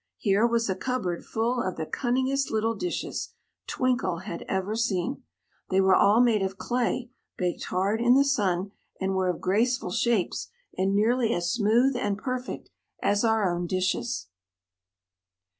Here was a cupboard full of the cunningest little dishes Twinkle had ever seen. They were all made of clay, baked hard in the sun, and were of graceful shapes, and nearly as smooth and perfect as our own dishes.